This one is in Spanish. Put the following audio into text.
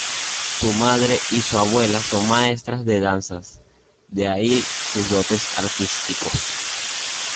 Su madre y su abuela son maestras de danzas, de ahí sus dotes artísticos.